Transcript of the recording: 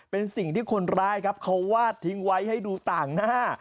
เป็นสิ่งที่คนร้ายครับเขาวาดทิ้งไว้ให้ดูต่างหน้า